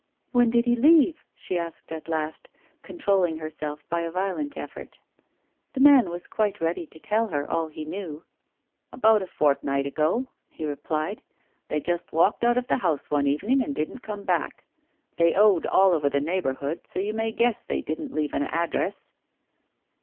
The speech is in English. " When did he leave ?" she asked at last, controlling her self by a violent effort. The man was quite ready to tell her all he knew. " About a fortnight ago," he replied. " They just walked out of the house one evening and didn't come back. They owed all over the neighourhood, so you may guess they didn't leave any address."